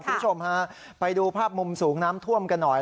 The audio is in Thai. คุณผู้ชมฮะไปดูภาพมุมสูงน้ำท่วมกันหน่อย